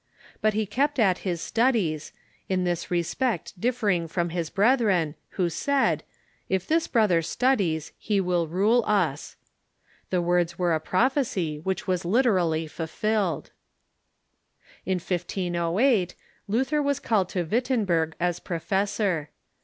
But he kept at his studies, in this respect differing from his brethren, who said :" If this brother studies, he will rule us." The Avords were a prophecy which was literally fulfilled. In 1508 Luther was called to Wittenberg as professor.